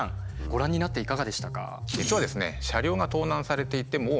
ご覧になっていかがでしたか？